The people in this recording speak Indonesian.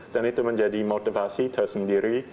dan itu menjadi motivasi tersendiri